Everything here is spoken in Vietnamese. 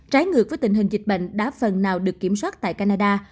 trái ngược với tình hình dịch bệnh đã phần nào được kiểm soát tại canada